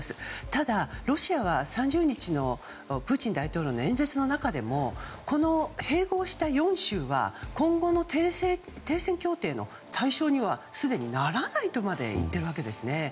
ただ、ロシアは３０日のプーチン大統領の演説の中でも、併合した４州は今後の停戦協定の対象にはすでにならないとまで言っているわけですね。